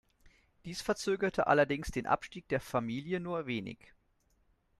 Dies verzögerte allerdings den Abstieg der Familie nur wenig.